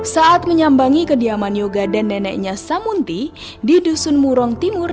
saat menyambangi kediaman yoga dan neneknya samunti di dusun murong timur